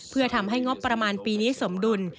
เพื่อทำให้งบประมาณปีนี้สมดุล